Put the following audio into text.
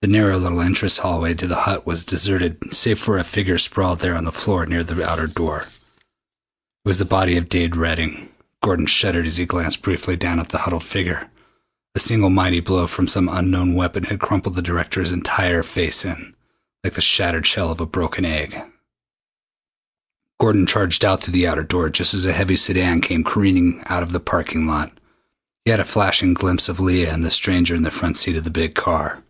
The narrow little entrance hallway to the Hut was deserted save for a figure sprawled there on the floor near the outer door. It was the body of Dave Redding. Gordon shuddered as he glanced briefly down at the huddled figure. A single mighty blow from some unknown weapon had crumpled the director's entire face in, like the shattered shell of a broken egg. Gordon charged on through the outer door just as a heavy sedan came careening out of the parking lot. He had a flashing glimpse of Leah and the stranger in the front seat of the big car.